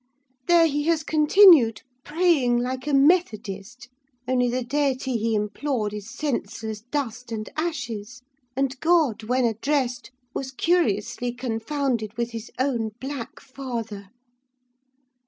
There he has continued, praying like a Methodist: only the deity he implored is senseless dust and ashes; and God, when addressed, was curiously confounded with his own black father!